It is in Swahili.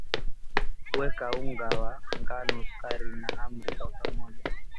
weka unga wa ngano sukari na hamira kwa pamoja